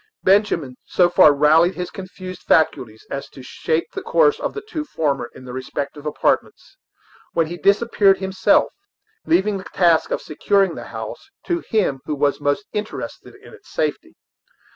Benjamin so far rallied his confused faculties as to shape the course of the two former to their respective apartments, when he disappeared himself, leaving the task of securing the house to him who was most interested in its safety.